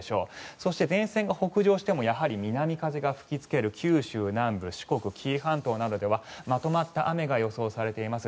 そして前線が北上してもやはり南風が吹きつける九州南部、四国紀伊半島などではまとまった雨が予想されています。